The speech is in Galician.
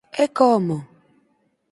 E como!